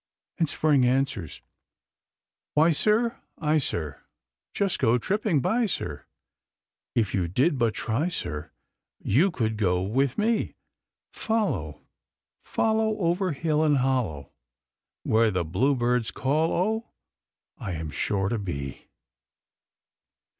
And Spring answers: "Why, sir, I, sir, Just go tripping by, sir If you did but try, sir, You could go with me. Follow, Follow, Over hill and hollow Where the bluebirds call, O, I am sure to be."